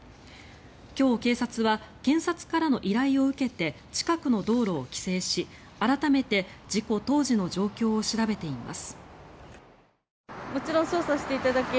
今日、警察は検察からの依頼を受けて近くの道路を規制し改めて事故当時の状況を調べています。